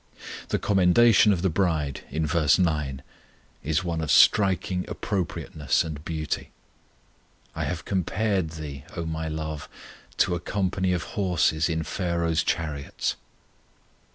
The commendation of the bride in verse 9 is one of striking appropriateness and beauty: I have compared thee, O My love, To a company of horses in Pharaoh's chariots.